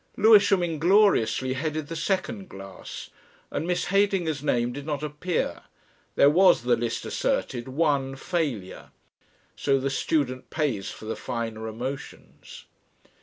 Lewisham ingloriously headed the second class, and Miss Heydinger's name did not appear there was, the list asserted, "one failure." So the student pays for the finer emotions.